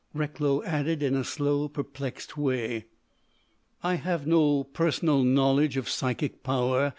Recklow added in a slow, perplexed way: "I have no personal knowledge of psychic power.